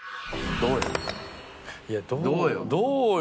どうよ？